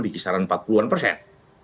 di kisaran empat puluh an persen